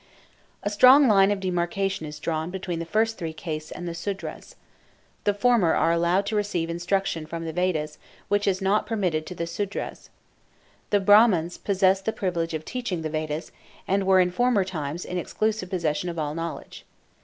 A strong line of demarcation is drawn between the first three castes and the Sudras. The former are allowed to receive instruction from the Vedas, which is not permitted to the Sudras. The Brahmans possess the privilege of teaching the Vedas, and were in former times in exclusive possession of all knowledge.